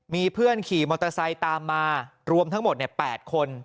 มีเพื่อนขี่มอเตอร์ไซค์ตามมารวมทั้งหมด๘คน